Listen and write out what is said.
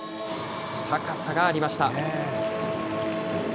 高さがありました。